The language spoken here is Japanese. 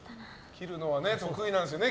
切るのは得意なんですよね